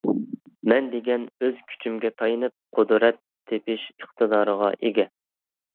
مەن دېگەن ئۆز كۈچۈمگە تايىنىپ قۇدرەت تېپىش ئىقتىدارىغا ئىگە.